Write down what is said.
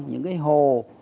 những cái hồ